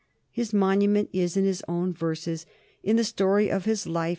His monument is in his own verses, in the story of his life.